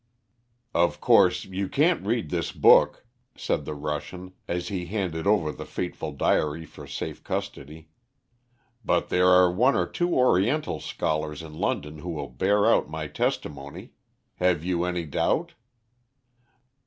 "Of course you can't read this book," said the Russian as he handed over the fateful diary for safe custody, "but there are one or two Oriental scholars in London who will bear out my testimony. Have you any doubt?"